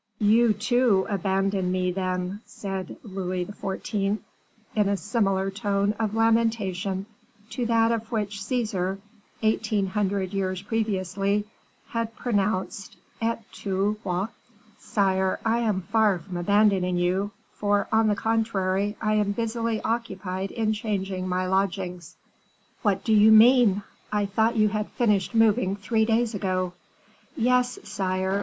"You, too, abandon me, then," said Louis XIV., in a similar tone of lamentation to that with which Caesar, eighteen hundred years previously, had pronounced the Et tu quoque. "Sire, I am far from abandoning you, for, on the contrary, I am busily occupied in changing my lodgings." "What do you mean? I thought you had finished moving three days ago." "Yes, sire.